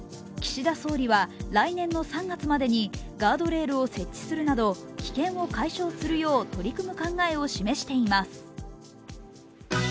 岸田総理は来年の３月までにガードレールを設置するなど危険を解消するよう取り組む考えを示しています。